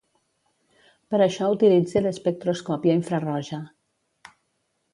Per això utilitze l'espectroscòpia infraroja.